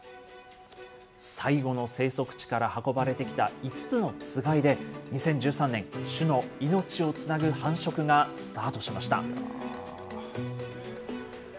最後の生息地から運ばれてきた５つのつがいで、２０１３年、種の命をつなぐ繁殖がスタートしました。